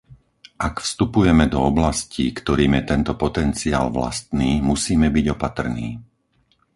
Ak vstupujeme do oblastí, ktorým je tento potenciál vlastný, musíme byť opatrní.